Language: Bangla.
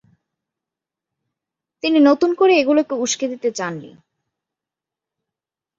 তিনি নতুন করে এগুলোকে উষ্কে দিতে চান নি।